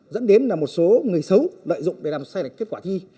dẫn đến một số người xấu lợi dụng để làm sai kết quả thi